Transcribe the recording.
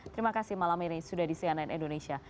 terima kasih malam ini sudah di cnn indonesia